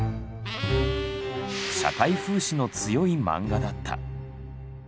社会風刺の強いマンガだった。